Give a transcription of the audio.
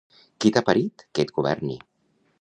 Qui t'ha parit que et governi.